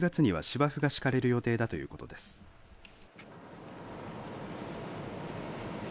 １１月には芝生が敷かれる予定だということです。